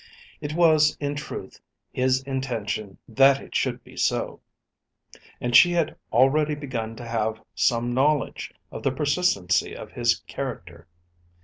It was, in truth, his intention that it should be so. And she had already begun to have some knowledge of the persistency of his character.